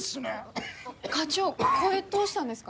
課長声どうしたんですか？